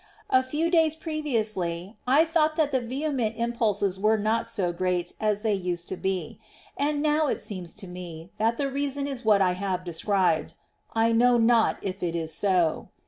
A few days previously I thought that the vehement impulses were not so great as they used to be, and now it seems to me that the reason is what I have described ; I know not if it is so.